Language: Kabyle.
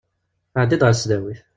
Ɛeddi-d ɣer tesdawit.